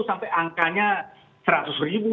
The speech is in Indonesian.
sampai angkanya seratus ribu